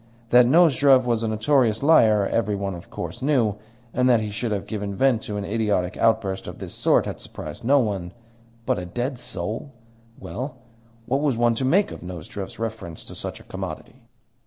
That Nozdrev was a notorious liar every one, of course, knew, and that he should have given vent to an idiotic outburst of this sort had surprised no one; but a dead soul well, what was one to make of Nozdrev's reference to such a commodity?